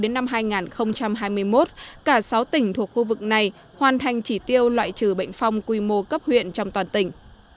đến năm hai nghìn hai mươi một cả sáu tỉnh thuộc khu vực này hoàn thành chỉ tiêu loại trừ bệnh phong quy mô cấp huyện trong toàn tỉnh